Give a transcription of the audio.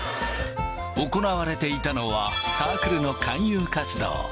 行われていたのは、サークルの勧誘活動。